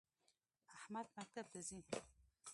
احمد مکتب ته ځی